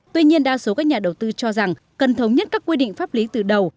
tuy nhiên đa số các nhà đầu tư cho rằng cần thống nhất các quy định pháp lý từ đầu